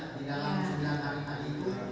di dalam jadwal hari hari itu